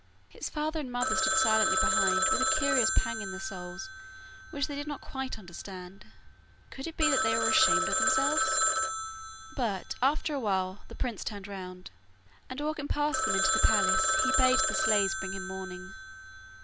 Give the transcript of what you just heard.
His father and mother stood silently behind with a curious pang in their souls which they did not quite understand. Could it be that they were ashamed of themselves? But after a while the prince turned round, and walking past them in to the palace he bade the slaves bring him mourning.